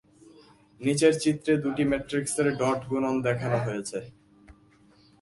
নিচের চিত্রে দুটি ম্যাট্রিক্সের ডট গুনন দেখানো হয়েছে।